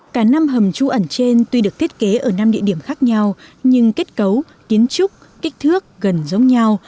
cả năm hầm trú ẩn trên tuy được thiết kế ở năm địa điểm khác nhau nhưng kết cấu kiến trúc kích thước gần giống nhau